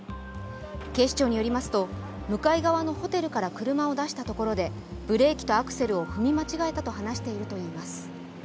警視庁によりますと、向かい側のホテルから車を出したところで、ブレーキとアクセルを踏み間違えたと話しているといいます。